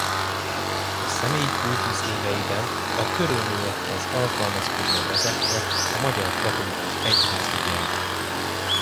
A személyi kultusz éveiben a körülményekhez alkalmazkodva vezette a magyar katolikus egyház ügyeit.